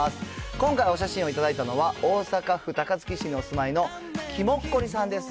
今回、お写真を頂いたのは、大阪府高槻市にお住まいのきもっこりさんです。